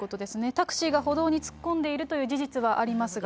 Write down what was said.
タクシーが歩道に突っ込んでいるという事実はありますが。